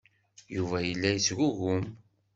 Yuba yella yettgugum.